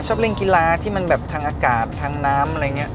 ชอบเล่นกีฬาที่มันแบบทางอากาศทางน้ำอะไรอย่างนี้